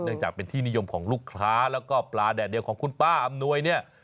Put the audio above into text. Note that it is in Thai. จากเป็นที่นิยมของลูกค้าแล้วก็ปลาแดดเดียวของคุณป้าอำนวยเนี่ย